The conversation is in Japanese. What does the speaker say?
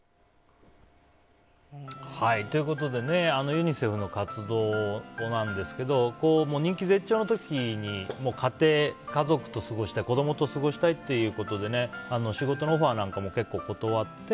ユニセフの活動なんですけど人気絶頂の時に家族と過ごして子供と過ごしたいということで仕事のオファーなんかも結構、断って。